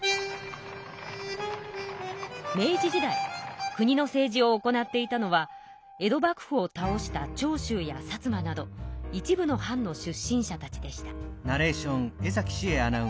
明治時代国の政治を行っていたのは江戸幕府をたおした長州や薩摩など一部の藩の出身者たちでした。